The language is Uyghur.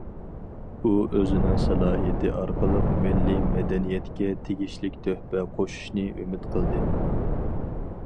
ئۇ ئۆزىنىڭ سالاھىيىتى ئارقىلىق، مىللىي مەدەنىيەتكە تېگىشلىك تۆھپە قوشۇشنى ئۈمىد قىلدى.